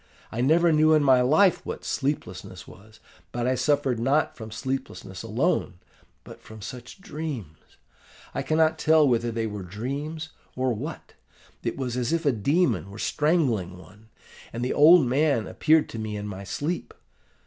I never knew in my life what sleeplessness was; but I suffered not from sleeplessness alone, but from such dreams! I cannot tell whether they were dreams, or what; it was as if a demon were strangling one: and the old man appeared to me in my sleep.